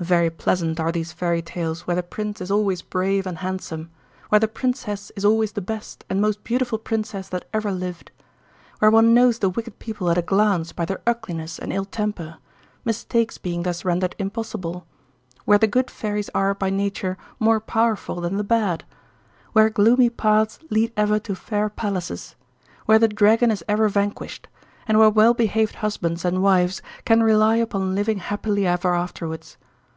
Very pleasant are these fairy tales where the prince is always brave and handsome; where the princess is always the best and most beautiful princess that ever lived; where one knows the wicked people at a glance by their ugliness and ill temper, mistakes being thus rendered impossible; where the good fairies are, by nature, more powerful than the bad; where gloomy paths lead ever to fair palaces; where the dragon is ever vanquished; and where well behaved husbands and wives can rely upon living happily ever afterwards.